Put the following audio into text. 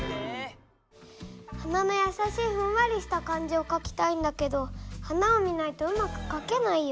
花のやさしいふんわりした感じをかきたいんだけど花を見ないとうまくかけないよ。